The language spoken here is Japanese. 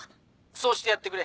そうしてやってくれ。